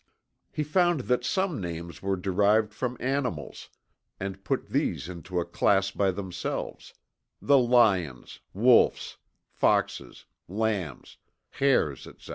He found that some names were derived from animals, and put these into a class by themselves the Lyons, Wolfs, Foxes, Lambs, Hares, etc.